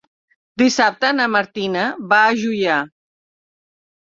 Dissabte na Martina va a Juià.